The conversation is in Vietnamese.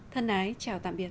thân ái chào tạm biệt